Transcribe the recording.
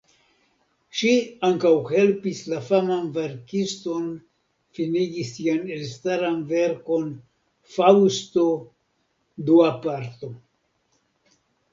Ŝi ankaŭ helpis la faman verkiston finigi sian elstaran verkon Faŭsto (Dua Parto).